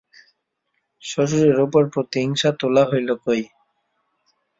শ্বশুরের উপর প্রতিহিংসা তোলা হইল কই?